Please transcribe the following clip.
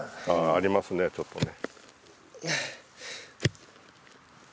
ありますねちょっとね。